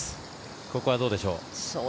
ここはどうでしょう。